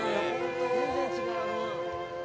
全然違う。